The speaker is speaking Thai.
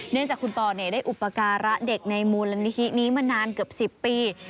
เนื่องจากคุณปอได้อุปการะเด็กในมูลนิธินี้มานานเกือบ๑๐ปี